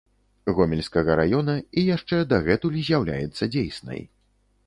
Гомельскага раёна і яшчэ дагэтуль з'яўляецца дзейснай.